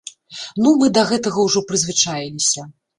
Ну, мы да гэтага ўжо прызвычаіліся.